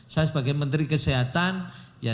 saya sebagai menteri kesehatan ya